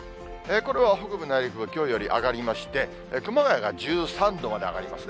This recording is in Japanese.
これは北部内陸部、きょうより上がりまして、熊谷が１３度まで上がりますね。